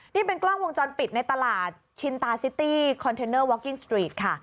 นี่เป็นกล้องวงจรปิดในตลาดชินตาซิตี้คอนเทนเนอร์วอกกิ้งสตรีทค่ะ